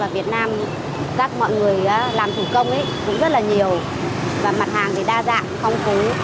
việt nam các mọi người làm thủ công cũng rất là nhiều và mặt hàng đa dạng phong phú